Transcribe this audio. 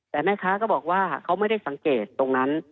แต่แม่ค้าก็บอกว่าเขาไม่ได้สังเกตตรงนั้น